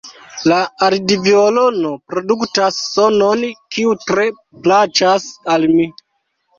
La aldviolono produktas sonon, kiu tre plaĉas al mi.